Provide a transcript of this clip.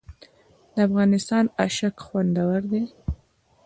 د افغانستان اشک خوندور دي